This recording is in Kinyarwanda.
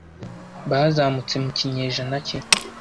bazamutse mu kinyejana ki